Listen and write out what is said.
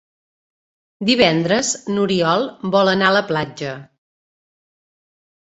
Divendres n'Oriol vol anar a la platja.